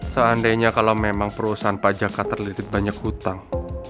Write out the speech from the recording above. seandainya kalau memang perusahaan pak jaka terlirik banyak hutang